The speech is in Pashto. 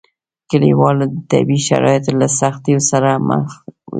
کلیوالو د طبیعي شرایطو له سختیو سره مخ وو.